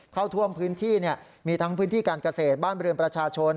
เข้าท่วมพื้นที่มีทั้งพื้นที่การเกษตรบ้านเรือนประชาชน